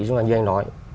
như anh nói